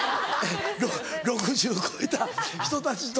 ６０歳越えた人たちと。